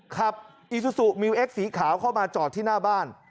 อีซูซูมิวเอ็กสีขาวเข้ามาจอดที่หน้าบ้าน